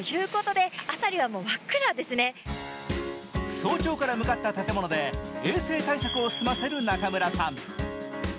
早朝から向かった建物で衛生対策を済ませる中村さん。